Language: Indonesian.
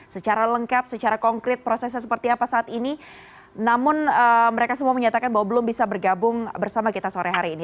secara lengkap secara konkret prosesnya seperti apa saat ini namun mereka semua menyatakan bahwa belum bisa bergabung bersama kita sore hari ini